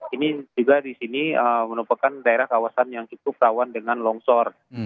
ini juga di sini merupakan daerah kawasan yang cukup rawan dengan longsor